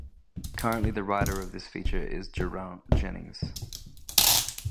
Currently the writer of this feature is Geraint Jennings.